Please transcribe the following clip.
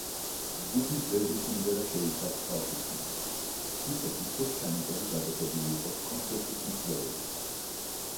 ჯგუფის ბევრი სიმღერა შეიცავს ხალხის ხმაურს, ისე თითქოს ჩანაწერი გაკეთებული იყოს კონცერტის მსვლელობისას.